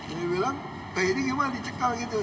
dia bilang eh ini gimana dicekal gitu